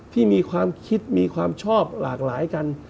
ที่มีความคิดมีความชอบหลากหลายกัน